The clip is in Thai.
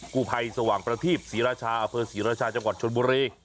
กู้ภัยสว่างประทีปศรีราชาอเภอศรีราชาจังหวัดชนบุรี